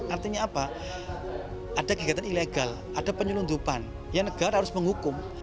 artinya apa ada kegiatan ilegal ada penyelundupan ya negara harus menghukum